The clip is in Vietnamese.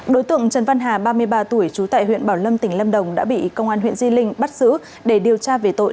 đối tượng trần văn hà ba mươi ba tuổi trú tại huyện bảo lâm tỉnh lâm đồng đã bị công an huyện di linh bắt giữ để điều tra về tội